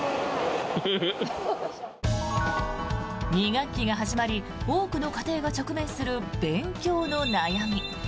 ２学期が始まり多くの家庭が直面する勉強の悩み。